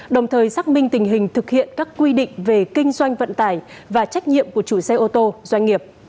đồng thời xác minh tình hình thực hiện các quy định về kinh doanh vận tải và trách nhiệm của chủ xe ô tô doanh nghiệp